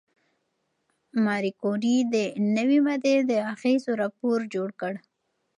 ماري کوري د نوې ماده د اغېزو راپور جوړ کړ.